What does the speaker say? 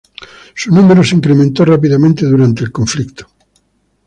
Su número se incrementó rápidamente durante el conflicto.